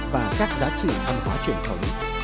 và các giá trị văn hóa truyền thống